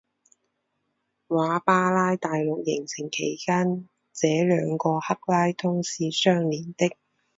瓦巴拉大陆形成期间这两个克拉通是相连的。